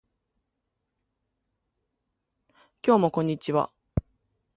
今日もこんにちは